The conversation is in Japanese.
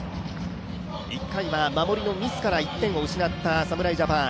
１回は守りのミスから１点を失った侍ジャパン。